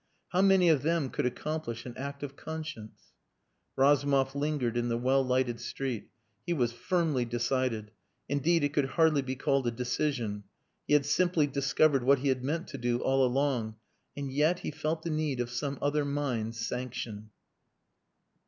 How many of them could accomplish an act of conscience?" Razumov lingered in the well lighted street. He was firmly decided. Indeed, it could hardly be called a decision. He had simply discovered what he had meant to do all along. And yet he felt the need of some other mind's sanction.